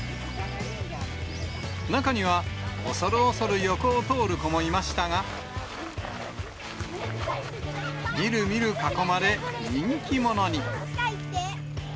中には、恐る恐る横を通る子もいましたが、みるみる囲まれ、人気者に。